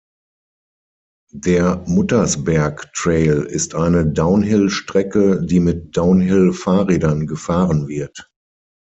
Der Muttersberg-Trail ist eine Downhill-Strecke, die mit Downhill-Fahrrädern gefahren wird.